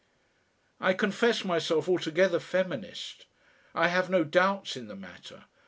I confess myself altogether feminist. I have no doubts in the matter.